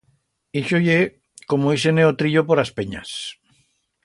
Ixo ye como ir-se-ne o trillo por as penyas.